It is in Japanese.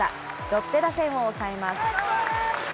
ロッテ打線を抑えます。